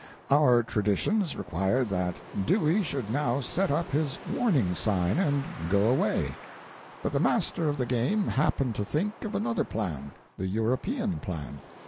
Our traditions required that Dewey should now set up his warning sign, and go away. But the Master of the Game happened to think of another plan — the European plan.